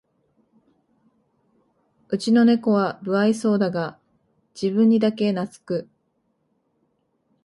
うちのネコは無愛想だが自分にだけなつく